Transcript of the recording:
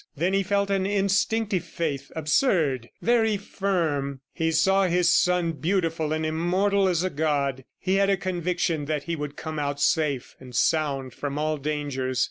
Then he felt an instinctive faith, absurd, very firm. He saw his son beautiful and immortal as a god. He had a conviction that he would come out safe and sound from all dangers.